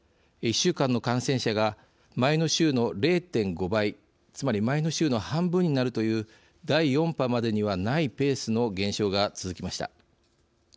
１週間の感染者が前の週の０．５倍つまり前の週の半分になるという第４波までにはないペースの減少が続きました。